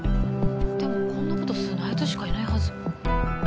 でもこんなことするのあいつしかいないはず。